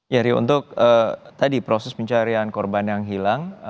ya rio untuk tadi proses pencarian korban yang hilang